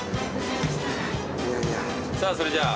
さぁそれじゃあ。